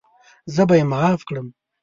زه به یې معاف کړم.